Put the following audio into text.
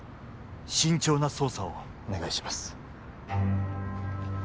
慎重な捜査をお願いします